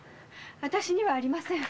私にはありません。